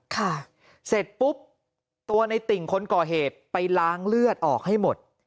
เสร็จปุ๊บตัวในติ่งคนก่อเหตุไปล้างเลือดออกให้หมด